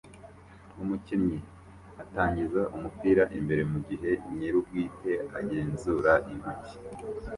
Umukinnyi atangiza umupira imbere mugihe nyirubwite agenzura intoki